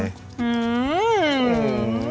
อืม